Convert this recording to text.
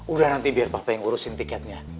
udah nanti biar papa yang urusin tiketnya